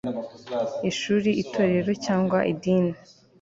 ishuri, itorero cyangwa idini